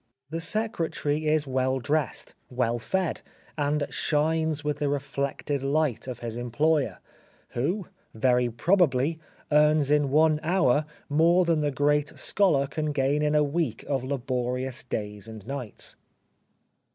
The secretary is well dressed, well fed, and shines with the reflected light of his employer, who, very pro bably, earns in one hour more than the great scholar can gain in a week of laborious days and nights.